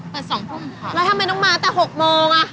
เปิดสองทุ่มค่ะแล้วทำไมต้องมาตั้งแต่หกโมงอ่ะ